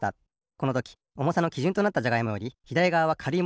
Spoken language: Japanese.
このときおもさのきじゅんとなったじゃがいもよりひだりがわはかるい